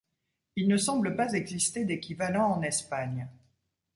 Il ne semble pas exister d'équivalent en Espagne.